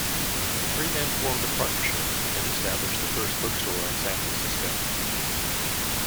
The three men formed a partnership and established the first bookstore in San Francisco.